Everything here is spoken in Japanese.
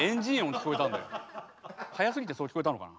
速すぎてそう聞こえたのかな？